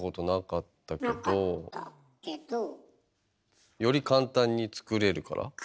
なかったけど？より簡単に作れるから？